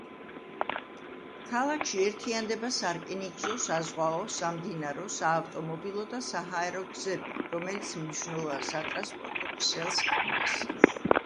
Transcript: ქალაქში ერთიანდება სარკინიგზო, საზღვაო, სამდინარო, საავტომობილო და საჰაერო გზები, რომელიც მნიშვნელოვან სატრანსპორტო ქსელს ქმნის.